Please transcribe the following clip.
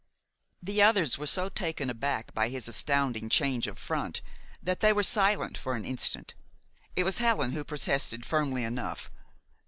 The others were so taken aback by his astounding change of front that they were silent for an instant. It was Helen who protested, firmly enough.